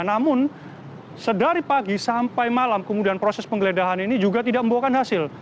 namun sedari pagi sampai malam kemudian proses penggeledahan ini juga tidak membuahkan hasil